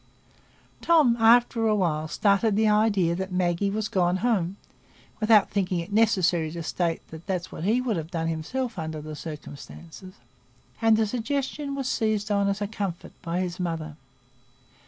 Tom, after a while, started the idea that Maggie was gone home (without thinking it necessary to state that it was what he should have done himself under the circumstances), and the suggestion was seized as a comfort by his mother.